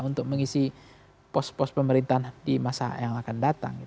untuk mengisi pos pos pemerintahan di masa yang akan datang